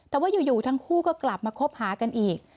แต่ว่าอยู่ทั้งคู่ก็กลับมาคบหากันอีก